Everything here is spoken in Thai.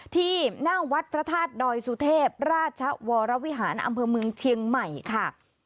ที่หน้าวัดพระธาตุดอยสุเทพราชวรวิหารอำเภอเมืองเชียงใหม่ค่ะ